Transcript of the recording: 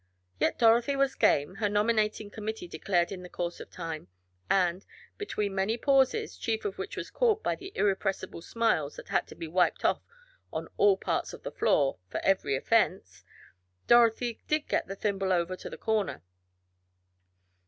Yet Dorothy was "game," her nominating committee declared in the course of time, and, between many pauses, chief of which was caused by the irrepressible smiles that had to be wiped off on all parts of the floor for every offense, Dorothy did get the thimble over to the corner.